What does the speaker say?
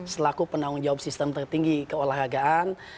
selaku penanggung jawab sistem tertinggi keolahragaan